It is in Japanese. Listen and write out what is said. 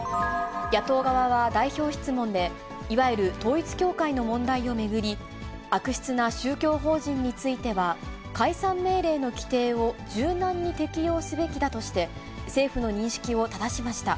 野党側は代表質問で、いわゆる統一教会の問題を巡り、悪質な宗教法人については、解散命令の規定を柔軟に適用すべきだとして、政府の認識をただしました。